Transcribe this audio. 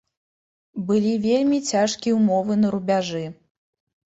Былі вельмі цяжкія ўмовы на рубяжы.